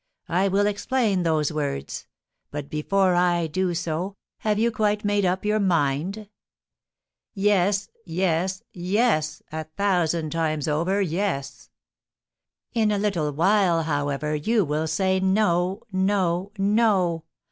I will explain those words. But, before I do so, have you quite made up your mind?" "Yes! Yes! Yes! A thousand times over, yes!" "In a little while, however, you will say 'No! No! No!